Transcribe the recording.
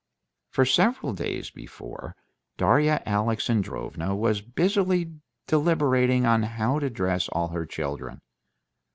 For several days before, Darya Alexandrovna was busily deliberating on how to dress all the children.